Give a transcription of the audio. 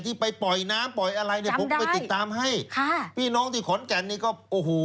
ที่ไปปล่อยน้ำปล่อยอะไรผมไปติดตามให้พี่น้องที่ขอนแก่นก็โอ้โห